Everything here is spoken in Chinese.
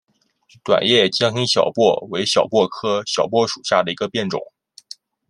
短叶江西小檗为小檗科小檗属下的一个变种。